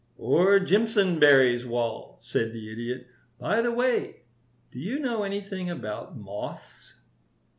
"Or Jimpsonberry's wall," said the Idiot. "By the way, do you know anything about moths?"